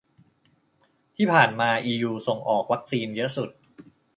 ที่ผ่านมาอียูส่งออกวัคซีนเยอะสุด